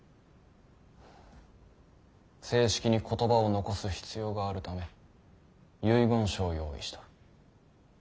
正式に言葉を残す必要があるため遺言書を用意した。